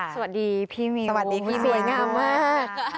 สวัสดีพี่มิวสวยงามมาก